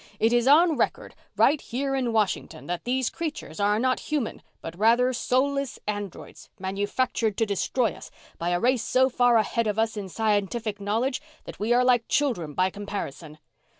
It is on record right here in Washington that these creatures are not human but, rather, soulless androids, manufactured to destroy us, by a race so far ahead of us in scientific knowledge that we are like children by comparison